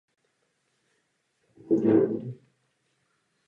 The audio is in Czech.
Celé území Kraje Vysočina leží v oblasti Českomoravské vrchoviny.